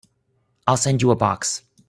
I'll send you a box.